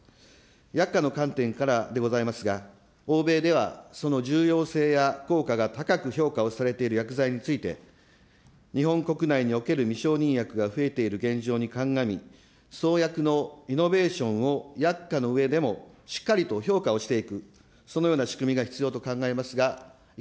薬価の観点からでございますが、欧米ではその重要性や効果が高く評価をされている薬剤において、日本国内における未承認薬が増えている現状に鑑み、創薬のイノベーションを薬価の上でもしっかりと評価をしていく、そのような仕組みが必要と考えます